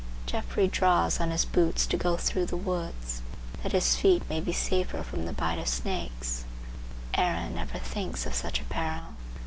Geoffrey draws on his boots to go through the woods, that his feet may be safer from the bite of snakes; Aaron never thinks of such a peril.